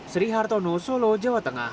sri hartono solo jawa tengah